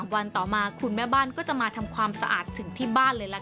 วันต่อมาคุณแม่บ้านก็จะมาทำความสะอาดถึงที่บ้านเลยล่ะค่ะ